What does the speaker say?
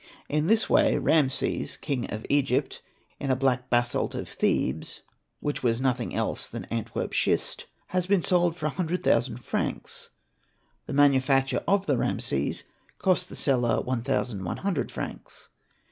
In this way Rameses, king of Egypt, in a black basalt of Thebes (which was nothing else than Antwerp shist) has. been sold | for a hundred thousand francs; the manufacture of the Rameses cost the seller 1100 francs.